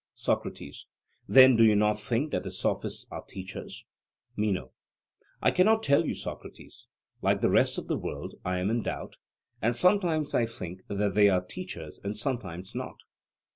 SOCRATES: Then do you not think that the Sophists are teachers? MENO: I cannot tell you, Socrates; like the rest of the world, I am in doubt, and sometimes I think that they are teachers and sometimes not.